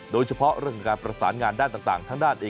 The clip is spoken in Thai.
โดยที่เพราะเรื่องการประสานงานด้านต่าง